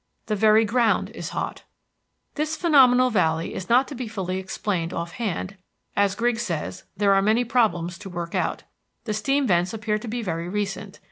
The very ground is hot. This phenomenal valley is not to be fully explained offhand; as Griggs says, there are many problems to work out. The steam vents appear to be very recent.